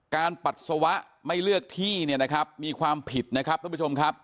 ปัสสาวะไม่เลือกที่เนี่ยนะครับมีความผิดนะครับท่านผู้ชมครับ